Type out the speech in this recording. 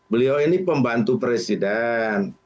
beliau ini pembantu presiden